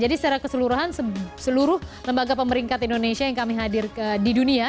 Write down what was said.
jadi secara keseluruhan seluruh lembaga pemeringkat indonesia yang kami hadirkan di dunia